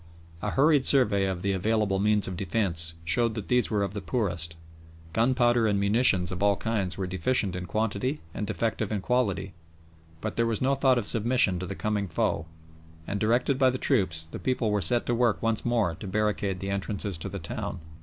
A hurried survey of the available means of defence showed that these were of the poorest. Gunpowder and munitions of all kinds were deficient in quantity and defective in quality, but there was no thought of submission to the coming foe, and, directed by the troops, the people were set to work once more to barricade the entrances to the town.